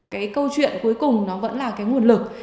cái câu chuyện cuối cùng nó vẫn là cái nguồn lực